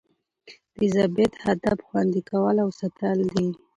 د ضبط هدف؛ خوندي کول او ساتل دي.